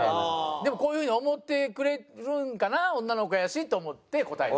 でもこういうふうに思ってくれるんかな女の子やしと思って答えた。